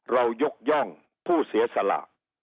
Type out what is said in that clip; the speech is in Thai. เรายกย่อผู้เสียสละ